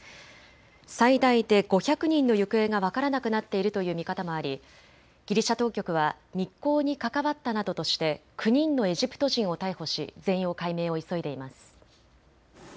最大で５００人の行方が分からなくなっているという見方もありギリシャ当局は密航に関わったなどとして９人のエジプト人を逮捕し、全容解明を急いでいます。